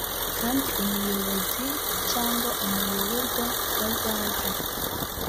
kandi umuyobozi cyangwa umuyoborwa bazaze